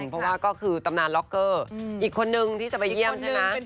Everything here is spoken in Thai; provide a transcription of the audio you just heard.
เพราะว่าก็คือตำนานล็อกเกอร์อีกคนนึงที่จะไปเยี่ยมใช่ไหม